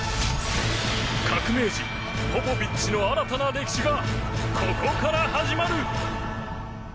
革命児ポポビッチの新たな歴史がここから始まる。